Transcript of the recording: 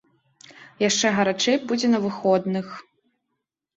Яшчэ гарачэй будзе на выходных.